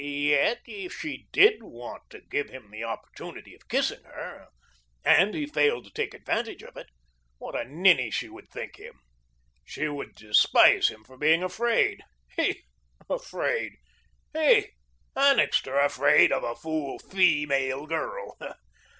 Yet, if she DID want to give him the opportunity of kissing her, and he failed to take advantage of it, what a ninny she would think him; she would despise him for being afraid. He afraid! He, Annixter, afraid of a fool, feemale girl.